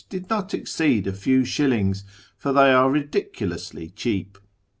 l not exceed a few shillings, for tiioy are ridiculously cheap.